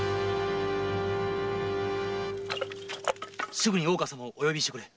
すぐに大岡様をお呼びしてくれ。